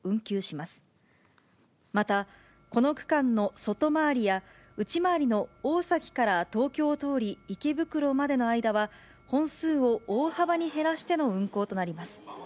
また、この区間の外回りや内回りの大崎から東京を通り、池袋までの間は、本数を大幅に減らしての運行となります。